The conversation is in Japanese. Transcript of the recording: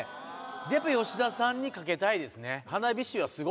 やっぱり吉田さんに懸けたいですね。